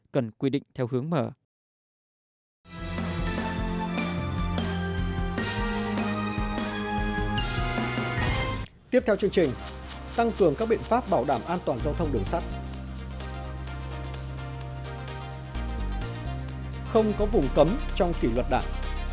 không có vùng cấm trong kỷ luật đạn